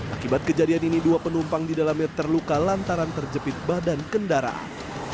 akibat kejadian ini dua penumpang di dalamnya terluka lantaran terjepit badan kendaraan